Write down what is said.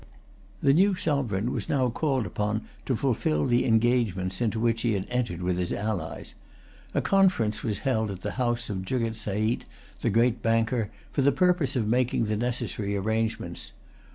The new sovereign was now called upon to fulfil the engagements into which he had entered with his allies. A conference was held at the house of Jugget Seit, the great banker, for the purpose of making the necessary arrangements.